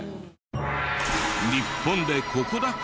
日本でここだけ！？